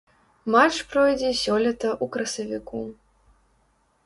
Матч пройдзе сёлета ў красавіку.